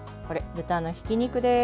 豚のひき肉です。